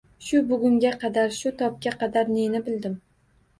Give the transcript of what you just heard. Shu bugunga qadar, shu tobga qadar neni bildim.